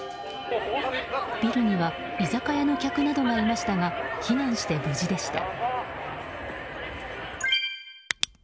ビルには居酒屋の客などがいましたが避難して無事でした。